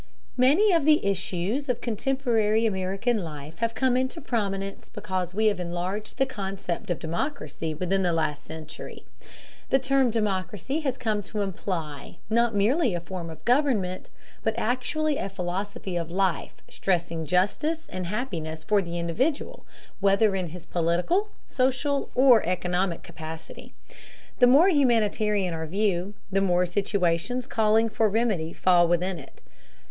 Many of the issues of contemporary American life have come into prominence because we have enlarged the concept of democracy within the last century. The term democracy has come to imply, not merely a form of government, but actually a philosophy of life stressing justice and happiness for the individual, whether in his political, social, or economic capacity. The more humanitarian our view, the more situations calling for remedy fall within it.